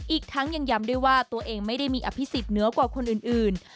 อีกทั้งยังย้ำด้วยว่าตัวเองไม่ได้มีอภิษฎเหนือกว่าคนอื่น